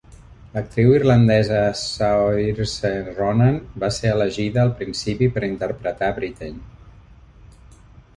L'actriu irlandesa Saoirse Ronan va ser elegida al principi per interpretar Brittain.